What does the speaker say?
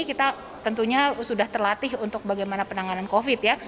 kita tentunya sudah terlatih untuk bagaimana penanganan covid ya